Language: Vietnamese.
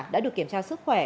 đã được kiểm tra sức khỏe